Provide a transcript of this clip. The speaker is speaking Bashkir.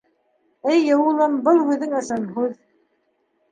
— Эйе, улым, был һүҙең ысын һүҙ.